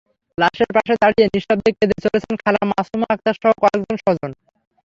লাশের পাশে দাঁড়িয়ে নিঃশব্দে কেঁদে চলছেন খালা মাসুমা আক্তারসহ কয়েকজন স্বজন।